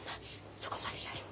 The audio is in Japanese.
そこまでやる？